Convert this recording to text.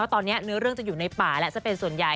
ตอนนี้เนื้อเรื่องจะอยู่ในป่าแล้วซะเป็นส่วนใหญ่